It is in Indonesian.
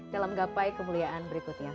dalam gapai kemuliaan berikutnya